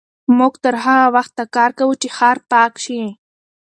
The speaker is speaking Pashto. موږ به تر هغه وخته کار کوو چې ښار پاک شي.